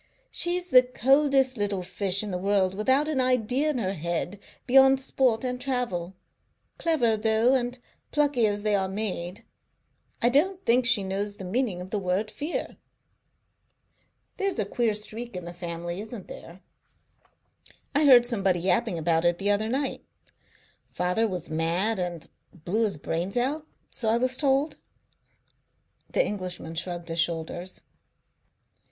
She's the coldest little fish in the world, without an idea in her head beyond sport and travel. Clever, though, and plucky as they are made. I don't think she knows the meaning of the word fear." "There's a queer streak in the family, isn't there? I heard somebody yapping about it the other night. Father was mad and blew his brains out, so I was told." The Englishman shrugged his shoulders.